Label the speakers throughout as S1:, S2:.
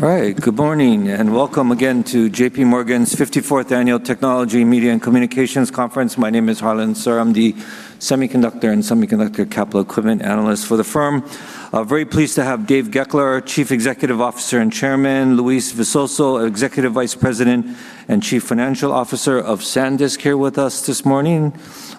S1: All right. Good morning, and welcome again to JPMorgan's 54th Annual Technology Media and Communications Conference. My name is Harlan Sur. I'm the Semiconductor and Semiconductor Capital Equipment Analyst for the firm. Very pleased to have Dave Goeckeler, Chief Executive Officer and Chairman, Luis Visoso, Executive Vice President and Chief Financial Officer of SanDisk, here with us this morning.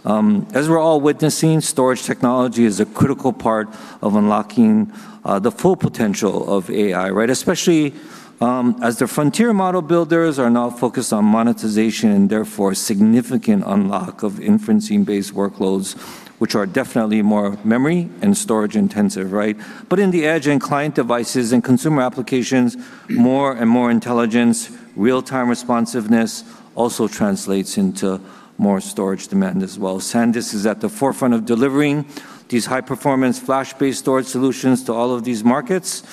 S1: As we're all witnessing, storage technology is a critical part of unlocking the full potential of AI, especially as the frontier model builders are now focused on monetization and therefore significant unlock of inferencing-based workloads, which are definitely more memory and storage intensive. In the edge and client devices and consumer applications, more and more intelligence, real-time responsiveness also translates into more storage demand as well. SanDisk is at the forefront of delivering these high-performance flash-based storage solutions to all of these markets.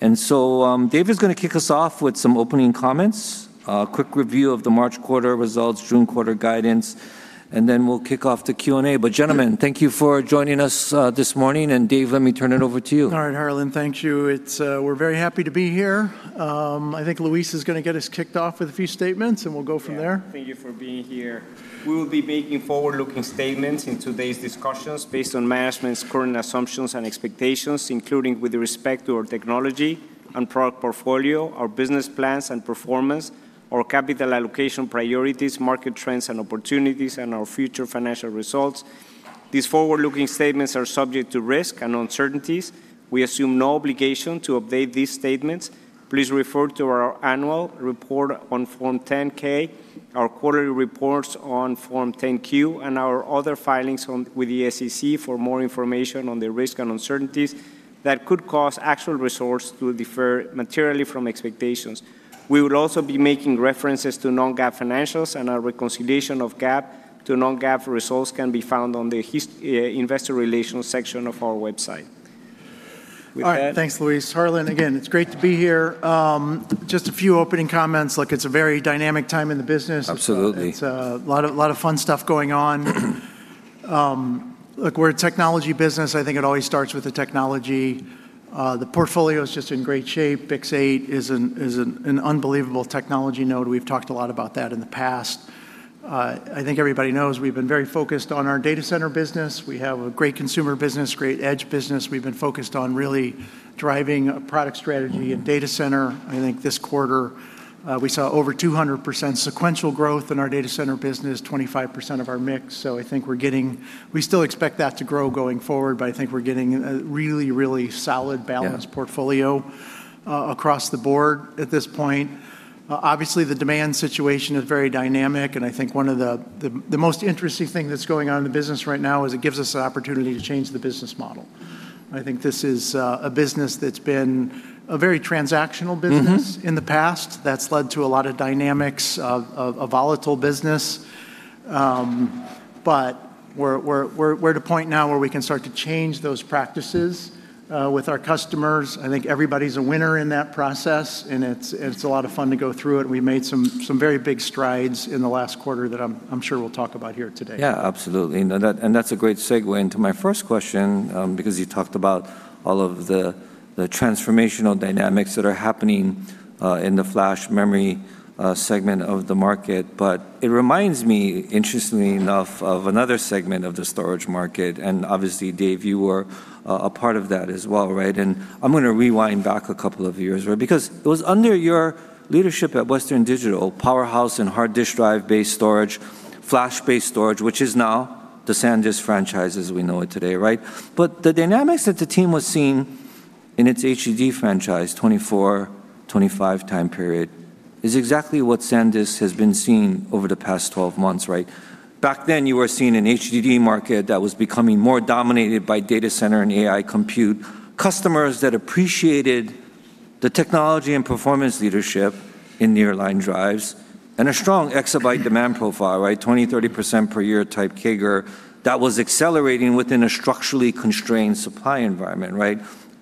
S1: Dave is going to kick us off with some opening comments, a quick review of the March quarter results, June quarter guidance, then we'll kick off to Q&A. Gentlemen, thank you for joining us this morning. Dave let me turn it over to you.
S2: All right, Harlan. Thank you. We're very happy to be here. I think Luis is going to get us kicked off with a few statements, and we'll go from there.
S3: Yeah. Thank you for being here. We will be making forward-looking statements in today's discussions based on management's current assumptions and expectations, including with respect to our technology and product portfolio, our business plans and performance, our capital allocation priorities, market trends and opportunities, and our future financial results. These forward-looking statements are subject to risks and uncertainties. We assume no obligation to update these statements. Please refer to our annual report on Form 10-K, our quarterly reports on Form 10-Q, and our other filings with the SEC for more information on the risks and uncertainties that could cause actual resources to defer materially from expectations. We will also be making references to non-GAAP financials, and our reconciliation of GAAP to non-GAAP results can be found on the investor relations section of our website.
S2: All right. Thanks, Luis. Harlan, again, it's great to be here. Just a few opening comments. It's a very dynamic time in the business.
S1: Absolutely.
S2: It's a lot of fun stuff going on. Look, we're a technology business. I think it always starts with the technology. The portfolio is just in great shape. BiCS8 is an unbelievable technology node. We've talked a lot about that in the past. I think everybody knows we've been very focused on our data center business. We have a great consumer business, great edge business. We've been focused on really driving a product strategy in data center. I think this quarter, we saw over 200% sequential growth in our data center business, 25% of our mix. I think we still expect that to grow going forward, but I think we're getting a really solid. portfolio across the board at this point. Obviously, the demand situation is very dynamic, I think one of the most interesting thing that's going on in the business right now is it gives us the opportunity to change the business model. I think this is a business that's been a very transactional business in the past. That's led to a lot of dynamics of a volatile business. We're at a point now where we can start to change those practices with our customers. I think everybody's a winner in that process, and it's a lot of fun to go through it. We made some very big strides in the last quarter that I'm sure we'll talk about here today.
S1: Yeah, absolutely. That's a great segue into my first question, because you talked about all of the transformational dynamics that are happening in the flash memory segment of the market. It reminds me, interestingly enough, of another segment of the storage market. Obviously, Dave, you were a part of that as well. I'm going to rewind back a couple of years, because it was under your leadership at Western Digital, powerhouse and hard disk drive-based storage, flash-based storage, which is now the SanDisk franchise as we know it today. The dynamics that the team was seeing in its HDD franchise 2024, 2025 time period is exactly what SanDisk has been seeing over the past 12 months. Back then, you were seeing an HDD market that was becoming more dominated by data center and AI compute, customers that appreciated the technology and performance leadership in nearline drives, and a strong exabyte demand profile, 20%, 30% per year type CAGR that was accelerating within a structurally constrained supply environment.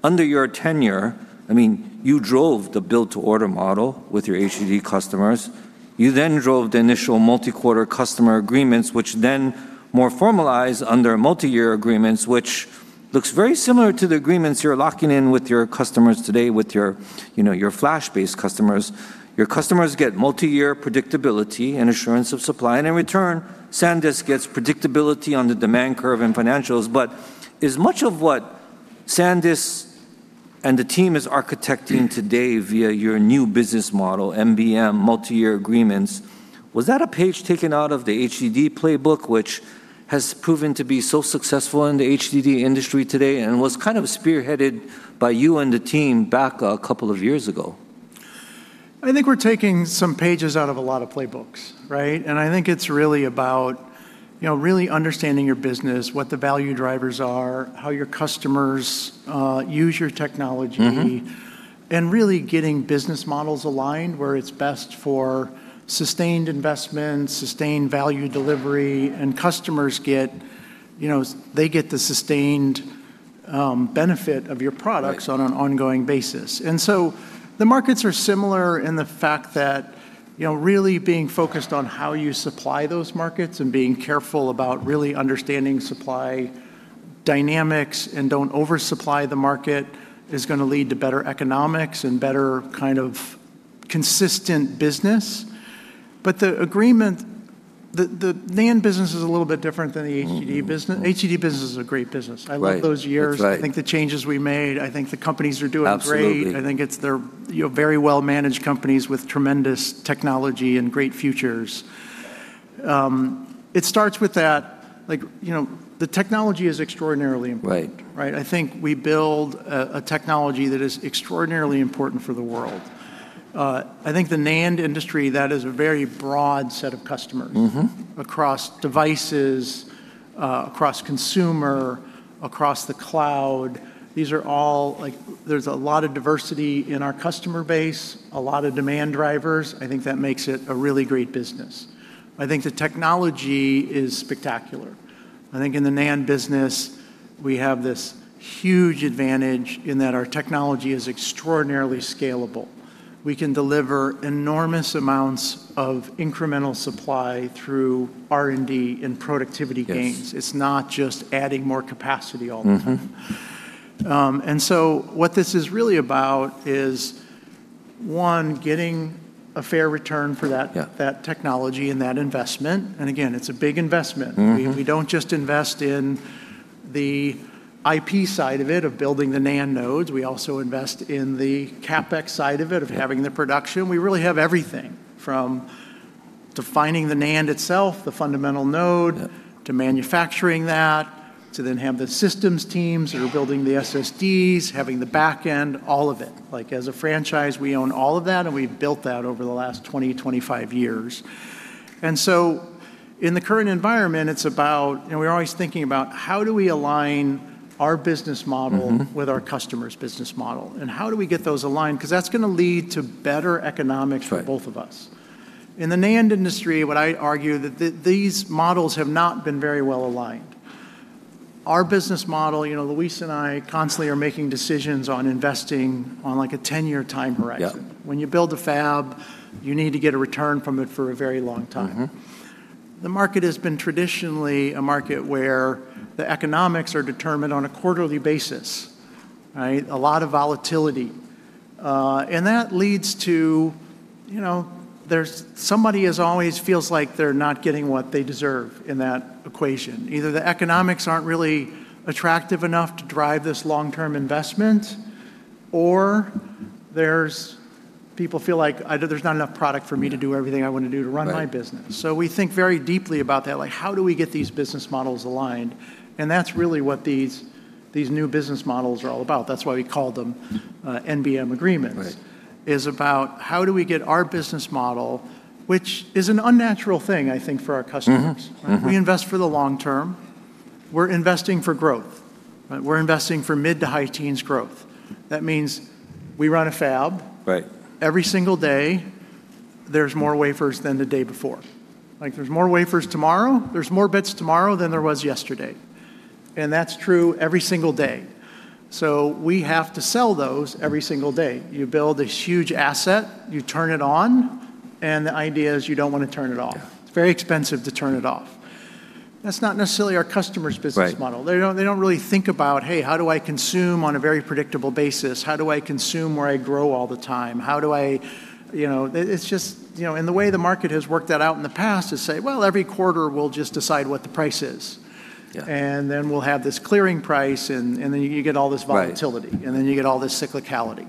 S1: Under your tenure, you drove the build to order model with your HDD customers. You drove the initial multi-quarter customer agreements, which then more formalized under multi-year agreements, which looks very similar to the agreements you're locking in with your customers today with your flash-based customers. Your customers get multi-year predictability and assurance of supply, and in return, SanDisk gets predictability on the demand curve and financials. Is much of what SanDisk and the team is architecting today via your new business model, NBM, multi-year agreements, was that a page taken out of the HDD playbook, which has proven to be so successful in the HDD industry today and was kind of spearheaded by you and the team back a couple of years ago?
S2: I think we're taking some pages out of a lot of playbooks. I think it's really about really understanding your business, what the value drivers are, how your customers use your technology. Really getting business models aligned where it's best for sustained investment, sustained value delivery, and customers get the sustained benefit of your products. on an ongoing basis. The markets are similar in the fact that really being focused on how you supply those markets and being careful about really understanding supply dynamics and don't oversupply the market is going to lead to better economics and better consistent business. The agreement, the NAND business is a little bit different than the HDD business. HDD business is a great business. I love those years. That's right. I think the changes we made, I think the companies are doing great. Absolutely. I think it's very well-managed companies with tremendous technology and great futures. It starts with that. The technology is extraordinarily important. Right. I think we build a technology that is extraordinarily important for the world. I think the NAND industry, that is a very broad set of customers, across devices, across consumer, across the cloud. There's a lot of diversity in our customer base, a lot of demand drivers. I think that makes it a really great business. I think the technology is spectacular. I think in the NAND business, we have this huge advantage in that our technology is extraordinarily scalable. We can deliver enormous amounts of incremental supply through R&D and productivity gains. Yes. It's not just adding more capacity all the time. What this is really about is, one, getting a fair return for that technology and that investment. Again, it's a big investment. We don't just invest in the IP side of it, of building the NAND nodes. We also invest in the CapEx side of it, of having the production. We really have everything. From defining the NAND itself, the fundamental node, to manufacturing that, to have the systems teams who are building the SSDs, having the back end, all of it. As a franchise, we own all of that, and we've built that over the last 20, 25 years. In the current environment, we're always thinking about how do we align our business model with our customer's business model, and how do we get those aligned? That's going to lead to better economics for both of us. Right. In the NAND industry, what I argue, that these models have not been very well aligned. Our business model, Luis and I constantly are making decisions on investing on a 10-year time horizon. Yeah. When you build a fab, you need to get a return from it for a very long time. The market has been traditionally a market where the economics are determined on a quarterly basis. A lot of volatility. That leads to, somebody always feels like they're not getting what they deserve in that equation. Either the economics aren't really attractive enough to drive this long-term investment, or people feel like, "There's not enough product for me to do everything I want to do to run my business." Right. We think very deeply about that, like, how do we get these business models aligned? That's really what these new business models are all about. That's why we called them NBM agreements. Is about how do we get our business model, which is an unnatural thing, I think, for our customers.. We invest for the long-term. We're investing for growth. We're investing for mid to high teens growth. That means we run a fab. Every single day, there's more wafers than the day before. There's more wafers tomorrow, there's more bits tomorrow than there was yesterday. That's true every single day. We have to sell those every single day. You build this huge asset, you turn it on, the idea is you don't want to turn it off. It's very expensive to turn it off. That's not necessarily our customer's business model. They don't really think about, "Hey, how do I consume on a very predictable basis? How do I consume where I grow all the time?" The way the market has worked that out in the past is say, "Well, every quarter we'll just decide what the price is." Then we'll have this clearing price, then you get all this volatility. Then you get all this cyclicality.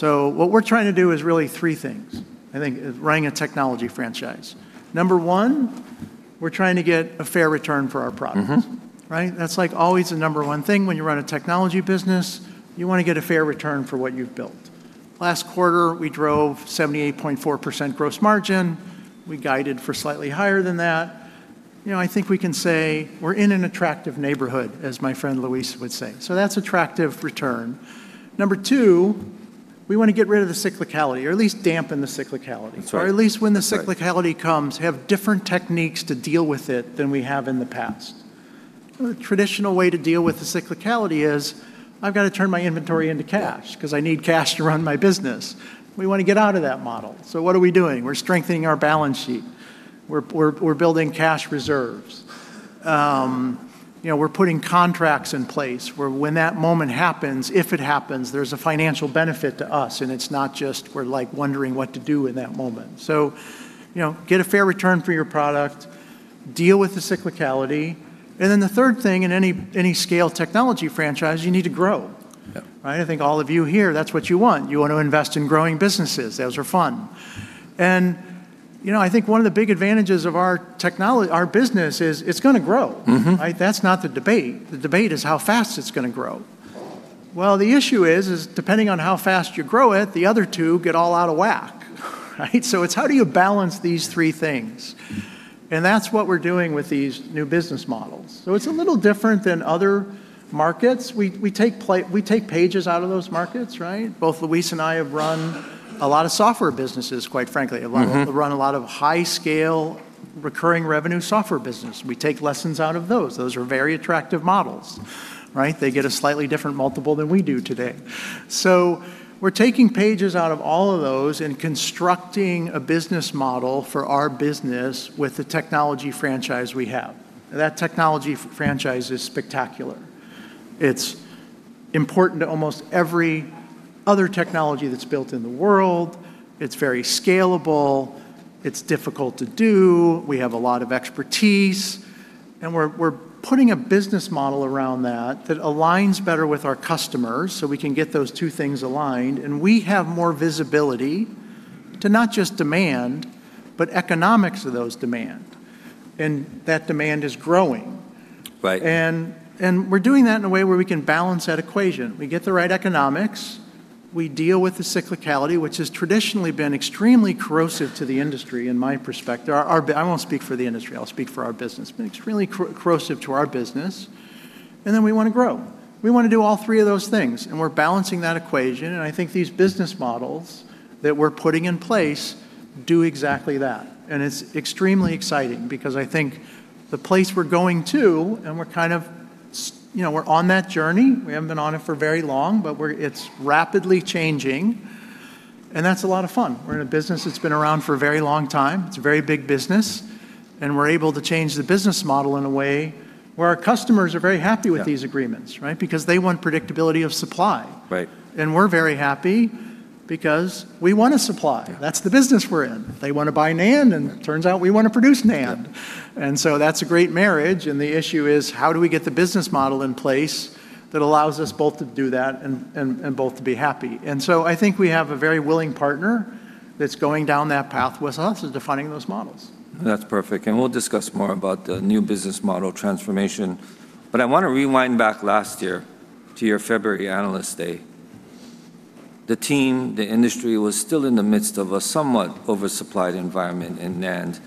S2: What we're trying to do is really three things, I think, is running a technology franchise. Number one, we're trying to get a fair return for our products. That's always the number one thing when you run a technology business. You want to get a fair return for what you've built. Last quarter, we drove 78.4% gross margin. We guided for slightly higher than that. I think we can say we're in an attractive neighborhood, as my friend Luis would say. That's attractive return. Number two, we want to get rid of the cyclicality, or at least dampen the cyclicality. That's right. At least when the cyclicality comes, have different techniques to deal with it than we have in the past. A traditional way to deal with the cyclicality is I've got to turn my inventory into cash because I need cash to run my business. We want to get out of that model. What are we doing? We're strengthening our balance sheet. We're building cash reserves. We're putting contracts in place where when that moment happens, if it happens, there's a financial benefit to us, and it's not just we're wondering what to do in that moment. Get a fair return for your product, deal with the cyclicality, and then the third thing in any scale technology franchise, you need to grow. I think all of you here, that's what you want. You want to invest in growing businesses. Those are fun. I think one of the big advantages of our business is it's going to grow. That's not the debate. The debate is how fast it's going to grow. Well, the issue is depending on how fast you grow it, the other two get all out of whack. It's how do you balance these three things? That's what we're doing with these new business models. It's a little different than other markets. We take pages out of those markets, right? Both Luis and I have run a lot of software businesses, quite frankly. Have run a lot of high scale recurring revenue software business. We take lessons out of those. Those are very attractive models. Right? They get a slightly different multiple than we do today. We're taking pages out of all of those and constructing a business model for our business with the technology franchise we have. That technology franchise is spectacular. It's important to almost every other technology that's built in the world. It's very scalable. It's difficult to do. We have a lot of expertise, and we're putting a business model around that aligns better with our customers so we can get those two things aligned, and we have more visibility to not just demand, but economics of those demand. That demand is growing. We're doing that in a way where we can balance that equation. We get the right economics, we deal with the cyclicality, which has traditionally been extremely corrosive to the industry, in my perspective. I won't speak for the industry, I'll speak for our business. Been extremely corrosive to our business. We want to grow. We want to do all three of those things, and we're balancing that equation, and I think these business models that we're putting in place do exactly that. It's extremely exciting because I think the place we're going to, and we're on that journey. We haven't been on it for very long, but it's rapidly changing, and that's a lot of fun. We're in a business that's been around for a very long time. It's a very big business, and we're able to change the business model in a way where our customers are very happy with these agreements, right? Because they want predictability of supply.
S1: Right.
S2: We're very happy because we want to supply. That's the business we're in. They want to buy NAND, and turns out we want to produce NAND.
S1: Yeah.
S2: That's a great marriage. The issue is how do we get the business model in place that allows us both to do that and both to be happy? I think we have a very willing partner that's going down that path with us in defining those models.
S1: That's perfect. We'll discuss more about the New Business Model transformation. I want to rewind back last year to your February Analyst Day. The team, the industry was still in the midst of a somewhat oversupplied environment in NAND.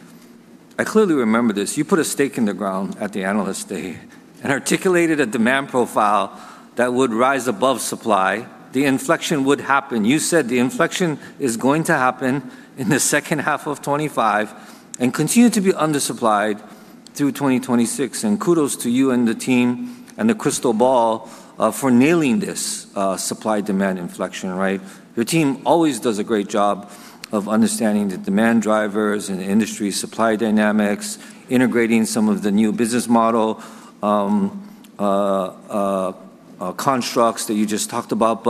S1: I clearly remember this. You put a stake in the ground at the Analyst Day and articulated a demand profile that would rise above supply. The inflection would happen. You said the inflection is going to happen in the second half of 2025 and continue to be undersupplied through 2026, and kudos to you and the team and the crystal ball for nailing this supply-demand inflection, right? Your team always does a great job of understanding the demand drivers and the industry supply dynamics, integrating some of the New Business Model constructs that you just talked about.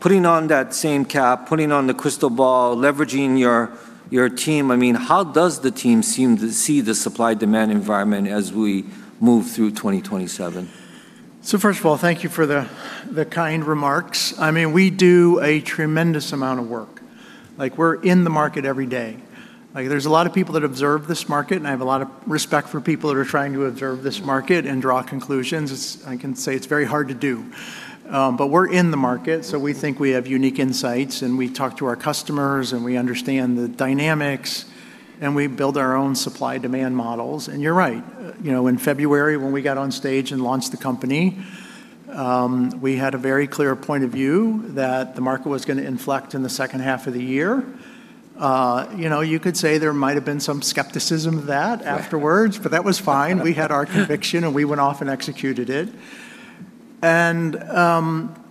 S1: Putting on that same cap, putting on the crystal ball, leveraging your team, how does the team seem to see the supply-demand environment as we move through 2027?
S2: First of all, thank you for the kind remarks. We do a tremendous amount of work. We're in the market every day. There's a lot of people that observe this market, and I have a lot of respect for people that are trying to observe this market and draw conclusions. I can say it's very hard to do. We're in the market, so we think we have unique insights, and we talk to our customers, and we understand the dynamics, and we build our own supply-demand models. You're right. In February when we got on stage and launched the company, we had a very clear point of view that the market was going to inflect in the second half of the year. You could say there might have been some skepticism of that afterwards.
S1: Right.
S2: That was fine. We had our conviction, and we went off and executed it.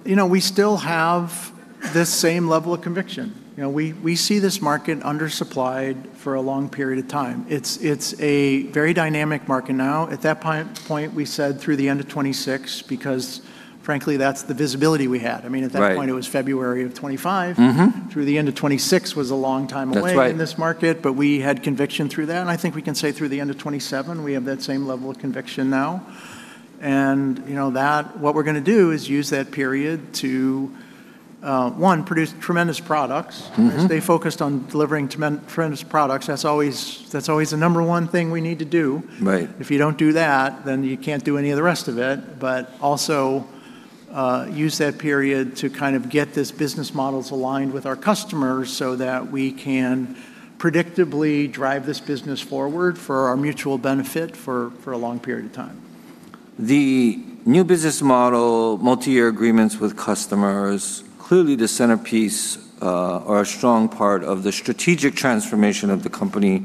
S2: We still have this same level of conviction. We see this market undersupplied for a long period of time. It's a very dynamic market now. At that point, we said through the end of 2026 because frankly, that's the visibility we had.
S1: Right.
S2: At that point, it was February of 2025 through the end of 2026 was a long time away.
S1: That's right.
S2: In this market, but we had conviction through that, and I think we can say through the end of 2027, we have that same level of conviction now. What we're going to do is use that period to, one, produce tremendous products. Stay focused on delivering tremendous products. That's always the number one thing we need to do.
S1: Right.
S2: If you don't do that, you can't do any of the rest of it. Also use that period to kind of get these business models aligned with our customers so that we can predictably drive this business forward for our mutual benefit for a long period of time.
S1: The new business model, multi-year agreements with customers, clearly the centerpiece or a strong part of the strategic transformation of the company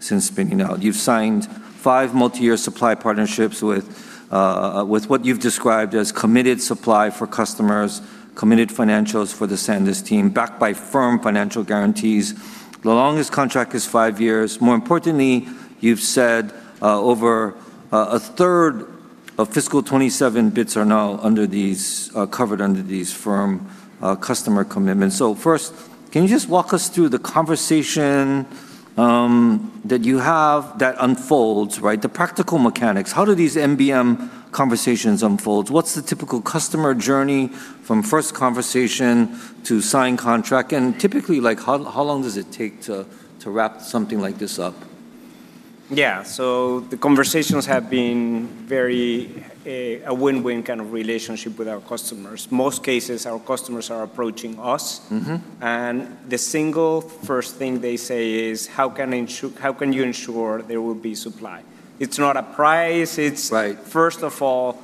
S1: since spinning out. You've signed five multi-year supply partnerships with what you've described as committed supply for customers, committed financials for the SanDisk team, backed by firm financial guarantees. The longest contract is five years. More importantly, you've said over 1/3 of fiscal 2027 bits are now covered under these firm customer commitments. First, can you just walk us through the conversation that you have that unfolds, right? The practical mechanics. How do these NBM conversations unfold? What's the typical customer journey from first conversation to signed contract? Typically, how long does it take to wrap something like this up?
S3: Yeah. The conversations have been a win-win kind of relationship with our customers. Most cases, our customers are approaching us. The single first thing they say is, "How can you ensure there will be supply?" It's not a price it's like, first of all,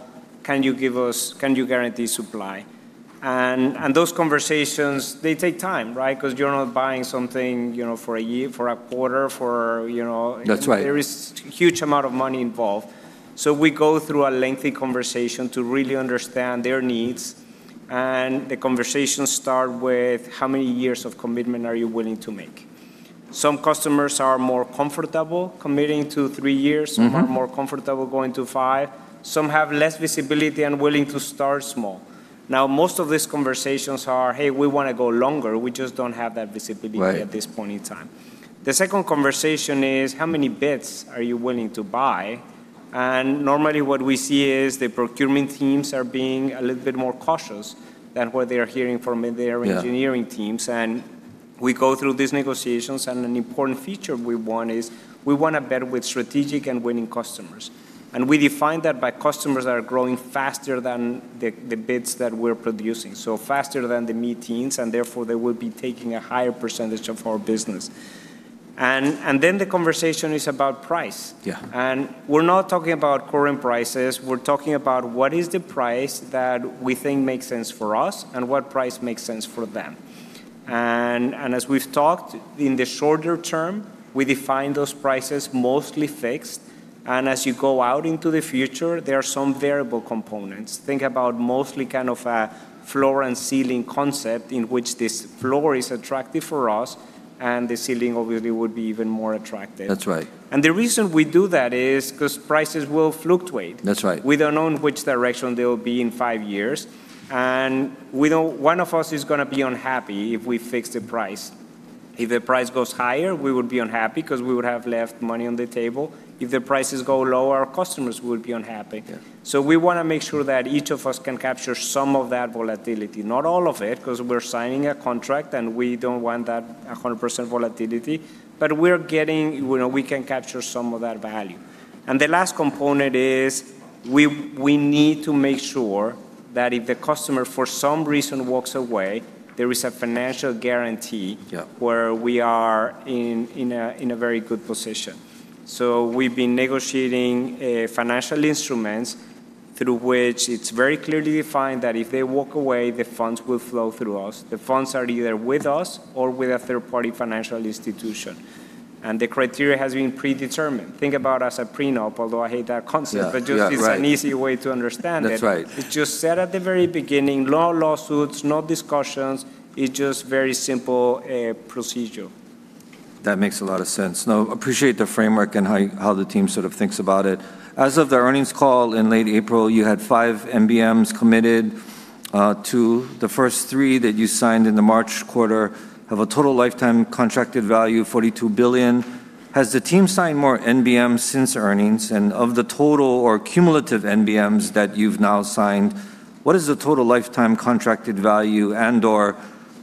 S3: "Can you guarantee supply?" Those conversations, they take time, right? Because you're not buying something for a year, for a quarter.
S1: That's right.
S3: There is huge amount of money involved. We go through a lengthy conversation to really understand their needs, and the conversations start with how many years of commitment are you willing to make? Some customers are more comfortable committing to three years, some are more comfortable committing to five. Some have less visibility and willing to start small. Most of these conversations are, "Hey, we want to go longer, we just don't have that visibility at this point in time.
S1: Right.
S3: The second conversation is how many bits are you willing to buy? Normally what we see is the procurement teams are being a little bit more cautious than what they are hearing from their engineering teams.
S1: Yeah.
S3: We go through these negotiations, and an important feature we want is we want to better with strategic and winning customers. We define that by customers that are growing faster than the bits that we're producing, so faster than the mid-teens, and therefore they will be taking a higher percentage of our business. The conversation is about price. We're not talking about current prices, we're talking about what is the price that we think makes sense for us, and what price makes sense for them. As we've talked in the shorter term, we define those prices mostly fixed, and as you go out into the future, there are some variable components. Think about mostly a floor and ceiling concept in which this floor is attractive for us, and the ceiling obviously would be even more attractive.
S1: That's right.
S3: The reason we do that is because prices will fluctuate.
S1: That's right.
S3: We don't know in which direction they'll be in five years, and one of us is going to be unhappy if we fix the price. If the price goes higher, we would be unhappy because we would have left money on the table. If the prices go lower, our customers will be unhappy.
S1: Yeah.
S3: We want to make sure that each of us can capture some of that volatility. Not all of it, because we're signing a contract and we don't want that 100% volatility, but we can capture some of that value. The last component is we need to make sure that if the customer, for some reason, walks away, there is a financial guarantee where we are in a very good position. We've been negotiating financial instruments through which it's very clearly defined that if they walk away, the funds will flow through us. The funds are either with us or with a third-party financial institution, and the criteria has been predetermined. Think about as a prenup, although I hate that concept.
S1: Yeah, right.
S3: Just it's an easy way to understand it.
S1: That's right.
S3: It's just set at the very beginning. No lawsuits, no discussions. It's just very simple procedure.
S1: That makes a lot of sense. No, appreciate the framework and how the team thinks about it. As of the earnings call in late April, you had five NBMs committed to the first three that you signed in the March quarter, have a total lifetime contracted value of $42 billion. Has the team signed more NBMs since earnings? Of the total or cumulative NBMs that you've now signed, what is the total lifetime contracted value and/or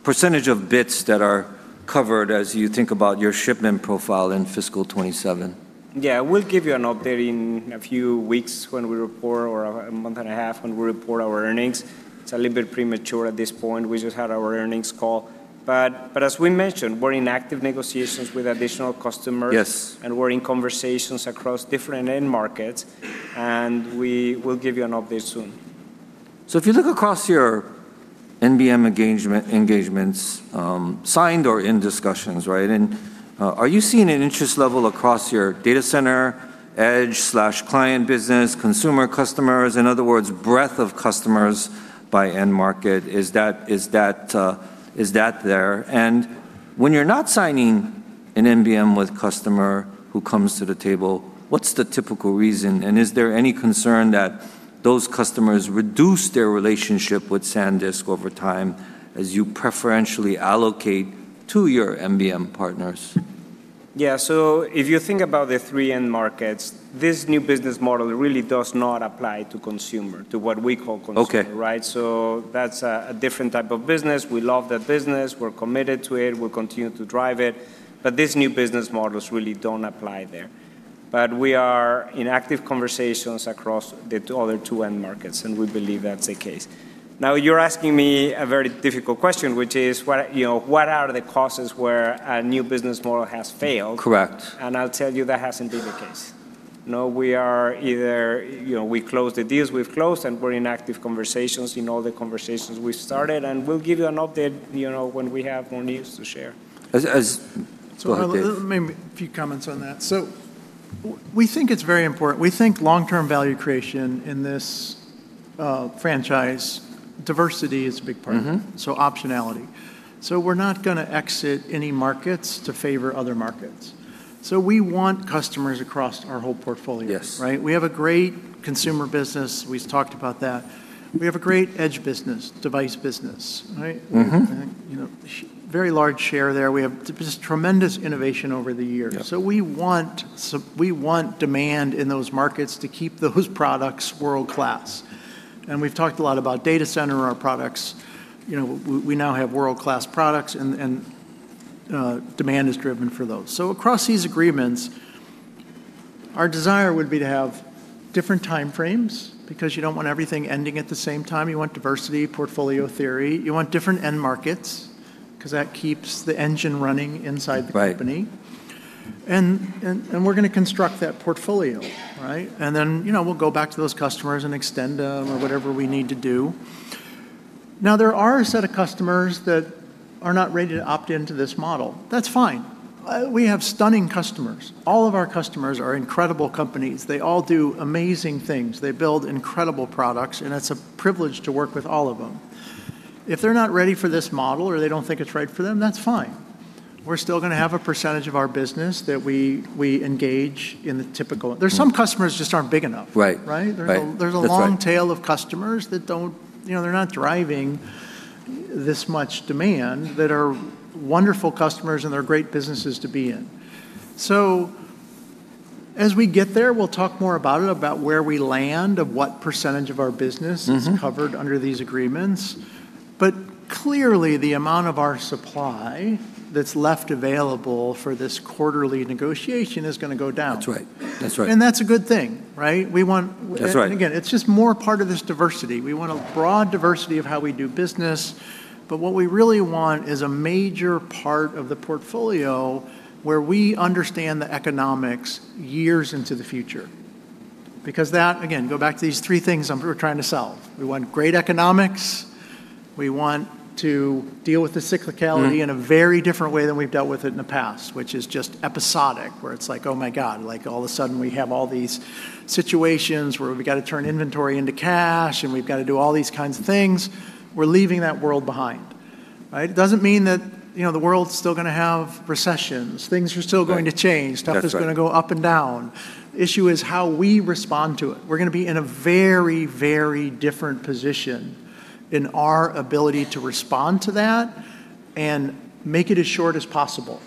S1: percentage of bits that are covered as you think about your shipment profile in fiscal 2027?
S3: Yeah. We'll give you an update in a few weeks when we report, or a month and a half when we report our earnings. It's a little bit premature at this point. We just had our earnings call. As we mentioned, we're in active negotiations with additional customers.
S1: Yes.
S3: We're in conversations across different end markets, and we will give you an update soon.
S1: If you look across your NBM engagements, signed or in discussions, are you seeing an interest level across your data center, edge/client business, consumer customers? In other words, breadth of customers by end market, is that there? When you're not signing an NBM with customer who comes to the table, what's the typical reason? Is there any concern that those customers reduce their relationship with SanDisk over time as you preferentially allocate to your NBM partners?
S3: Yeah. If you think about the three end markets, this new business model really does not apply to consumer, to what we call consumer.
S1: Okay.
S3: That's a different type of business. We love that business. We're committed to it. We'll continue to drive it. These new business models really don't apply there. We are in active conversations across the other two end markets, and we believe that's the case. You're asking me a very difficult question, which is what are the causes where a new business model has failed?
S1: Correct.
S3: I'll tell you that hasn't been the case. No, we close the deals we've closed, and we're in active conversations in all the conversations we've started, and we'll give you an update when we have more news to share.
S2: Let me make a few comments on that. We think it's very important. We think long-term value creation in this franchise, diversity is a big part of it. Optionality. We're not going to exit any markets to favor other markets. We want customers across our whole portfolio.
S1: Yes.
S2: We have a great consumer business. We talked about that. We have a great edge business, device business, right? Very large share there. We have just tremendous innovation over the years.
S1: Yeah.
S2: We want demand in those markets to keep those products world-class, and we've talked a lot about data center and our products. We now have world-class products, and demand is driven for those. Across these agreements, our desire would be to have different time frames, because you don't want everything ending at the same time. You want diversity, portfolio theory. You want different end markets, because that keeps the engine running inside the company. We're going to construct that portfolio. Right? We'll go back to those customers and extend them or whatever we need to do. Now, there are a set of customers that are not ready to opt into this model. That's fine. We have stunning customers. All of our customers are incredible companies. They all do amazing things. They build incredible products, and it's a privilege to work with all of them. If they're not ready for this model, or they don't think it's right for them, that's fine. We're still going to have a percentage of our business that we engage in. There's some customers just aren't big enough.
S1: Right.
S2: Right?
S1: Right. That's right.
S2: There's a long tail of customers that they're not driving this much demand, that are wonderful customers, and they're great businesses to be in. As we get there, we'll talk more about it, about where we land, of what percentage of our business is covered under these agreements. Clearly, the amount of our supply that's left available for this quarterly negotiation is going to go down.
S1: That's right.
S2: That's a good thing, right?
S1: That's right.
S2: It's just more a part of this diversity. We want a broad diversity of how we do business, but what we really want is a major part of the portfolio where we understand the economics years into the future. That, again, go back to these three things we're trying to solve. We want great economics, we want to deal with the cyclicality in a very different way than we've dealt with it in the past, which is just episodic, where it's like, oh my god, all of a sudden we have all these situations where we've got to turn inventory into cash, and we've got to do all these kinds of things. We're leaving that world behind. Right? It doesn't mean that the world's still going to have recessions. Things are still going to change.
S1: Right. That's right.
S2: Stuff is going to go up and down. Issue is how we respond to it. We're going to be in a very, very different position in our ability to respond to that and make it as short as possible.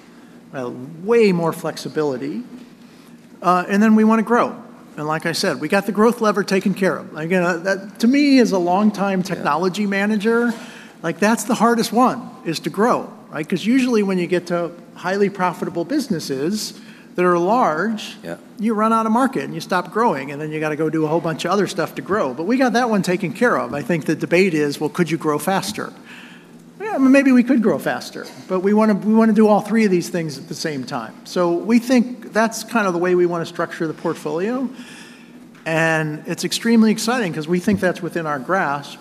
S2: We have way more flexibility. We want to grow. Like I said, we got the growth lever taken care of. Again, that, to me, as a longtime technology manager that's the hardest one, is to grow. Right? Because usually when you get to highly profitable businesses that are large you run out of market and you stop growing, and then you got to go do a whole bunch of other stuff to grow. We got that one taken care of. I think the debate is, well, could you grow faster? Maybe we could grow faster, but we want to do all three of these things at the same time. We think that's kind of the way we want to structure the portfolio, and it's extremely exciting because we think that's within our grasp.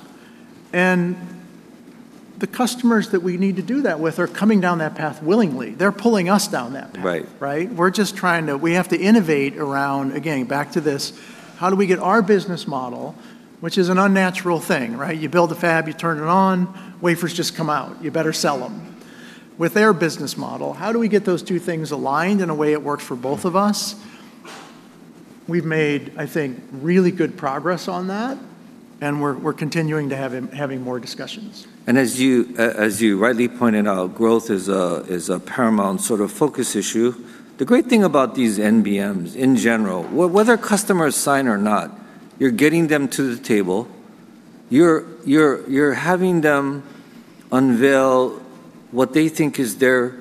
S2: The customers that we need to do that with are coming down that path willingly. They're pulling us down that path.
S1: Right.
S2: Right? We have to innovate around, again, back to this, how do we get our business model, which is an unnatural thing, right? You build a fab, you turn it on, wafers just come out. You better sell them. With their business model, how do we get those two things aligned in a way it works for both of us? We've made, I think, really good progress on that, and we're continuing to having more discussions.
S1: As you rightly pointed out, growth is a paramount sort of focus issue. The great thing about these NBMs, in general, whether customers sign or not, you're getting them to the table. You're having them unveil what they think is their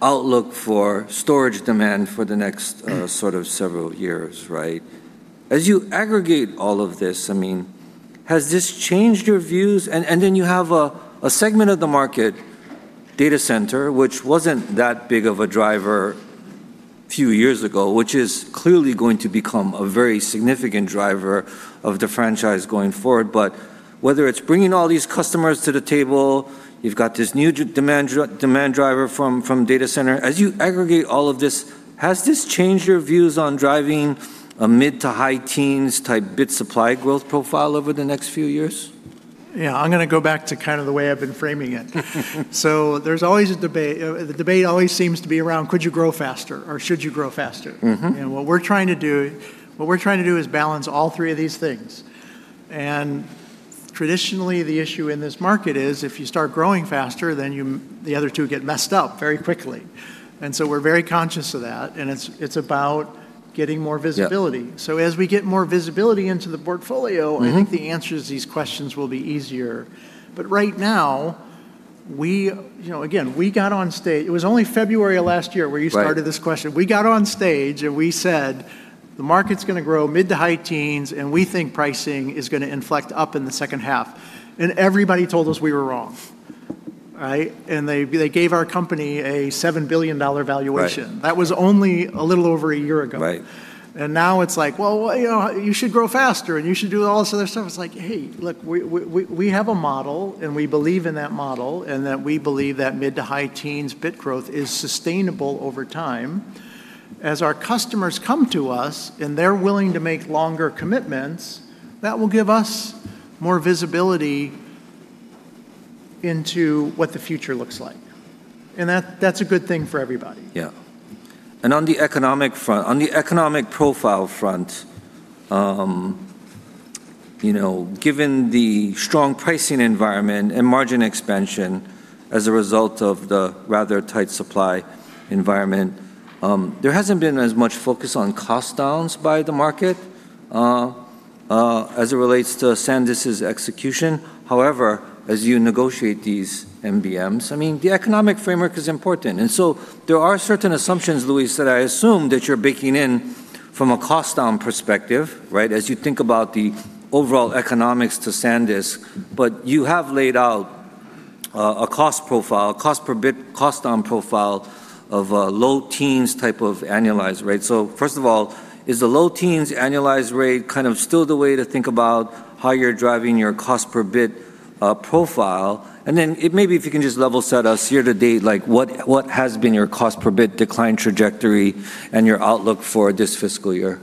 S1: outlook for storage demand for the next sort of several years. Right? As you aggregate all of this, has this changed your views? You have a segment of the market, data center, which wasn't that big of a driver a few years ago, which is clearly going to become a very significant driver of the franchise going forward. Whether it's bringing all these customers to the table, you've got this new demand driver from data center. As you aggregate all of this, has this changed your views on driving a mid to high teens type bit supply growth profile over the next few years?
S2: Yeah. I'm going to go back to kind of the way I've been framing it. The debate always seems to be around could you grow faster or should you grow faster? What we're trying to do is balance all three of these things. Traditionally, the issue in this market is if you start growing faster, then the other two get messed up very quickly. We're very conscious of that, and it's about getting more visibility.
S1: Yeah.
S2: As we get more visibility into the portfolio, I think the answers to these questions will be easier. Right now, again, it was only February of last year-
S1: Right.
S2: ...started this question. We got on stage and we said, "The market's going to grow mid to high teens, and we think pricing is going to inflect up in the second half." Everybody told us we were wrong. Right? They gave our company a $7 billion valuation.
S1: Right.
S2: That was only a little over a year ago.
S1: Right.
S2: Now it's like, "Well, you should grow faster and you should do all this other stuff." It's like, hey, look, we have a model, and we believe in that model, and that we believe that mid to high teens bit growth is sustainable over time. As our customers come to us and they're willing to make longer commitments, that will give us more visibility into what the future looks like. That's a good thing for everybody.
S1: Yeah. On the economic profile front, given the strong pricing environment and margin expansion as a result of the rather tight supply environment, there hasn't been as much focus on cost downs by the market as it relates to SanDisk's execution. However, as you negotiate these NBMs, the economic framework is important. There are certain assumptions, Luis, that I assume that you're baking in from a cost down perspective, right, as you think about the overall economics to SanDisk. You have laid out a cost profile, cost down profile of low teens type of annualized rate. First of all, is the low teens annualized rate still the way to think about how you're driving your cost per bit profile? Maybe if you can just level set us year-to-date, what has been your cost per bit decline trajectory and your outlook for this fiscal year?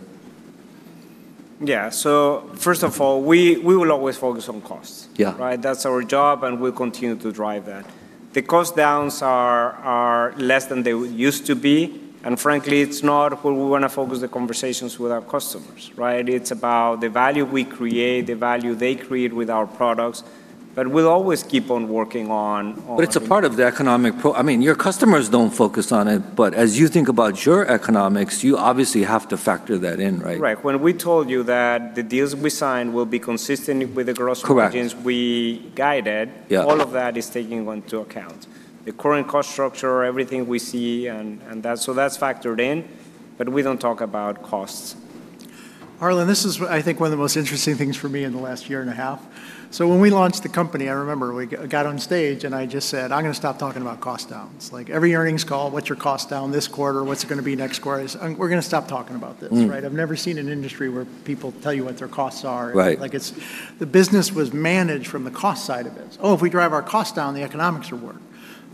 S3: Yeah. First of all, we will always focus on costs.
S1: Yeah.
S3: That's our job. We'll continue to drive that. The cost downs are less than they used to be. Frankly, it's not where we want to focus the conversations with our customers. It's about the value we create, the value they create with our products.
S1: It's a part of the economic-- Your customers don't focus on it, but as you think about your economics, you obviously have to factor that in, right?
S3: Right. When we told you that the deals we signed will be consistent with the gross margins-
S1: Correct.
S3: ...we guided All of that is taking into account the current cost structure, everything we see, and that. That's factored in, but we don't talk about costs.
S2: Harlan, this is, I think, one of the most interesting things for me in the last year and a half. When we launched the company, I remember we got on stage and I just said, "I'm going to stop talking about cost downs." Every earnings call, what's your cost down this quarter? What's it going to be next quarter? We're going to stop talking about this. I've never seen an industry where people tell you what their costs are.
S1: Right.
S2: The business was managed from the cost side of it. If we drive our costs down, the economics are worse.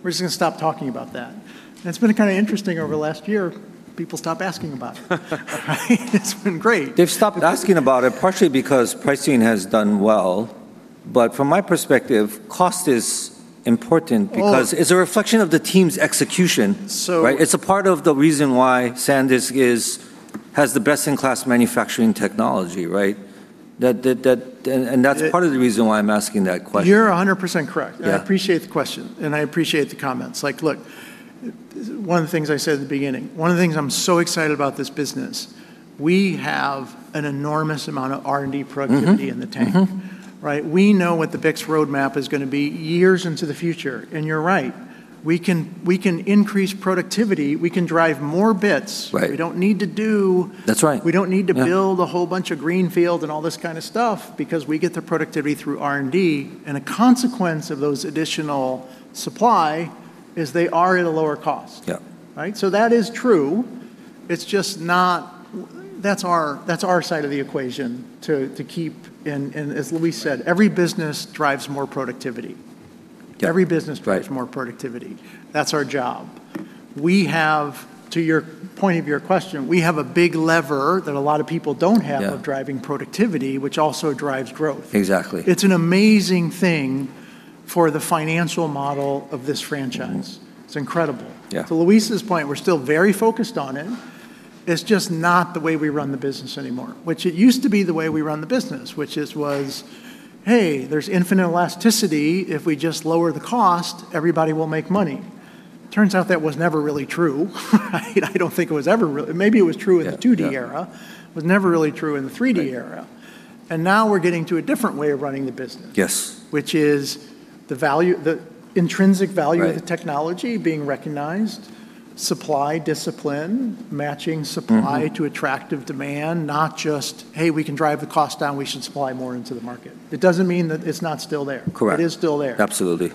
S2: We're just going to stop talking about that. It's been kind of interesting over the last year, people stop asking about it. It's been great.
S1: They've stopped asking about it partially because pricing has done well. From my perspective, cost is important because it's a reflection of the team's execution. It's a part of the reason why SanDisk has the best-in-class manufacturing technology. Right? That's part of the reason why I'm asking that question.
S2: You're 100% correct.
S1: Yeah.
S2: I appreciate the question. I appreciate the comments. Look, one of the things I said at the beginning, one of the things I'm so excited about this business, we have an enormous amount of R&D productivity in the tank. We know what the BiCS roadmap is going to be years into the future. You're right, we can increase productivity, we can drive more bits.
S1: Right.
S2: We don't need to do-
S1: That's right. Yeah.
S2: We don't need to build a whole bunch of greenfield and all this kind of stuff because we get the productivity through R&D. A consequence of those additional supply is they are at a lower cost.
S1: Yeah.
S2: That is true. That's our side of the equation to keep, and as Luis said, every business drives more productivity.
S1: Yeah.
S2: Every business drives more productivity. That's our job. We have, to your point of your question, we have a big lever that a lot of people don't have.
S1: Yeah.
S2: of driving productivity, which also drives growth.
S1: Exactly.
S2: It's an amazing thing for the financial model of this franchise. It's incredible.
S1: Yeah.
S2: To Luis' point, we're still very focused on it. It's just not the way we run the business anymore. It used to be the way we run the business, which just was, "Hey, there's infinite elasticity. If we just lower the cost, everybody will make money." Turns out that was never really true. Maybe it was true in the 2D era.
S1: Yeah.
S2: Was never really true in the 3D era.
S1: Right.
S2: Now we're getting to a different way of running the business.
S1: Yes.
S2: Which is the intrinsic value of the technology being recognized, supply discipline, matching supplyto attractive demand, not just, "Hey, we can drive the cost down, we should supply more into the market." It doesn't mean that it's not still there.
S1: Correct.
S2: It is still there.
S1: Absolutely.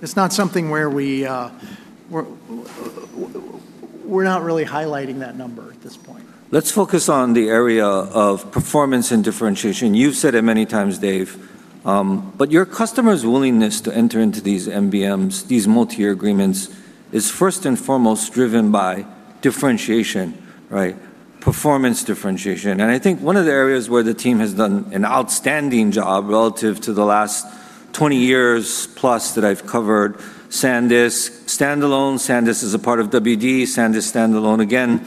S2: It's not something where we're not really highlighting that number at this point.
S1: Let's focus on the area of performance and differentiation. You've said it many times, Dave, but your customers' willingness to enter into these NBMs, these multi-year agreements, is first and foremost driven by differentiation. Performance differentiation. I think one of the areas where the team has done an outstanding job relative to the last 20+ years that I've covered SanDisk standalone, SanDisk as a part of WD, SanDisk standalone again,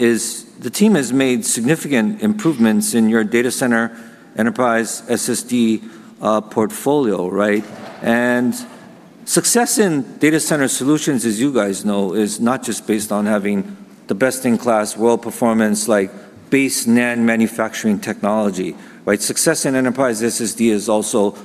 S1: is the team has made significant improvements in your data center enterprise SSD portfolio. Success in data center solutions, as you guys know, is not just based on having the best-in-class world performance like base NAND manufacturing technology. Success in enterprise SSD is also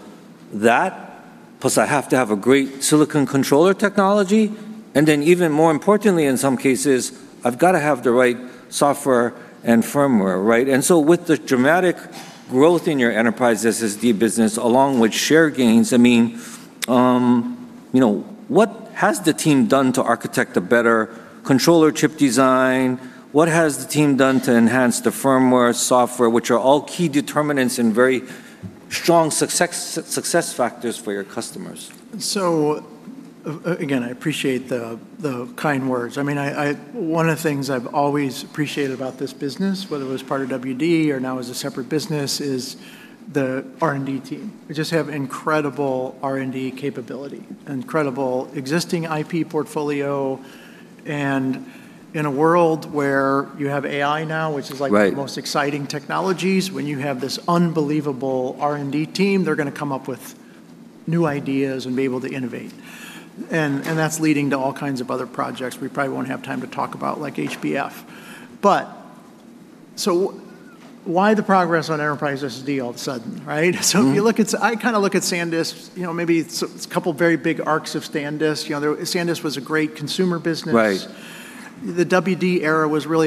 S1: that, plus I have to have a great silicon controller technology, and then even more importantly, in some cases, I've got to have the right software and firmware. With the dramatic growth in your enterprise SSD business, along with share gains, what has the team done to architect a better controller chip design? What has the team done to enhance the firmware, software, which are all key determinants and very strong success factors for your customers?
S2: Again, I appreciate the kind words. One of the things I've always appreciated about this business, whether it was part of WD or now as a separate business, is the R&D team. We just have incredible R&D capability, incredible existing IP portfolio. In a world where you have AI now, which is like- one of the most exciting technologies, when you have this unbelievable R&D team, they're going to come up with new ideas and be able to innovate. That's leading to all kinds of other projects we probably won't have time to talk about, like HBF. Why the progress on enterprise SSD all of a sudden? I look at SanDisk, maybe it's a couple of very big arcs of SanDisk. SanDisk was a great consumer business.
S1: Right.
S2: The WD era was really